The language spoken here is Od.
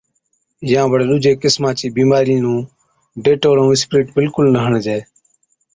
يان بڙي ڏُوجي قِسما چِي بِيمارِي نُون ڊيٽول ائُون اِسپرِيٽ بِلڪُل نہ هڻجَي